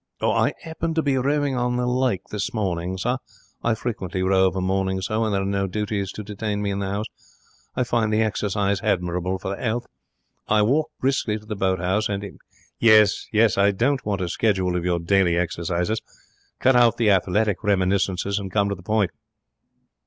'I 'appened to be rowing on the lake this morning, sir. I frequently row of a morning, sir, when there are no duties to detain me in the 'ouse. I find the hexercise hadmirable for the 'ealth. I walk briskly to the boat 'ouse, and ' 'Yes, yes. I don't want a schedule of your daily exercises. Cut out the athletic reminiscences and come to the point.'